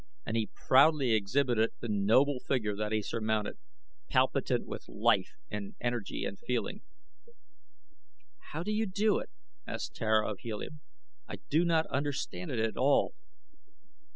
and he proudly exhibited the noble figure that he surmounted, palpitant with life and energy and feeling. "How do you do it?" asked Tara of Helium. "I do not understand it at all."